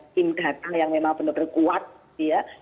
tim data yang memang benar benar kuat gitu ya